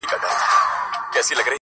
چي دي هر گړی زړه وسي په هوا سې!